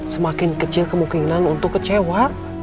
semakin kecil kemungkinan untuk kecewa